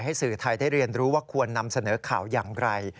สื่อไทยได้เรียนรู้ว่าควรนำเสนอข่าวอย่างไร